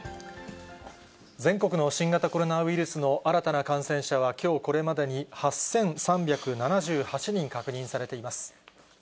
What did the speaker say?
全国の新型コロナウイルスの新たな感染者は、きょうこれまでに８３７８人確認されています。